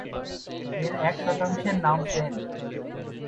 এর এক শতাংশের নাম সেন্ট।